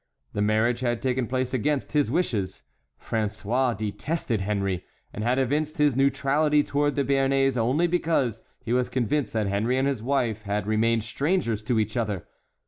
The marriage had taken place against his wishes. François detested Henry, and had evinced his neutrality toward the Béarnais only because he was convinced that Henry and his wife had remained strangers to each other.